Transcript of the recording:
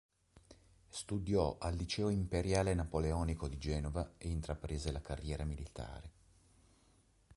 Studiò al liceo Imperiale napoleonico di Genova e intraprese la carriera militare.